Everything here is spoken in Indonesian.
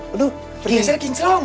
aduh perhiasannya kincong